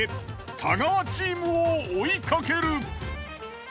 太川チームを追いかける。